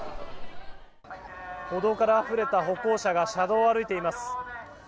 歩道からあふれた歩行者が車道を歩いています。